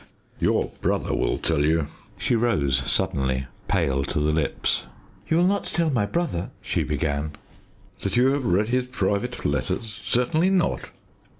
"Your brother will tell you " She rose suddenly, pale to the lips. "You will not tell my brother?" she began. "That you have read his private letters? Certainly not!"